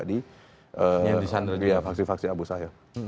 di faksi faksi abu sayyaf